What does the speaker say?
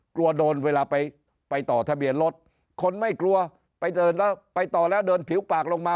กลัวโดนเวลาไปต่อทะเบียนรถคนไม่กลัวไปต่อแล้วเดินผิวปากลงมา